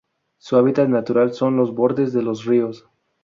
Su hábitat natural son los bordes de los ríos.